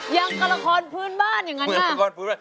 ยังกระละครพื้นบ้านอย่างนั้นนะ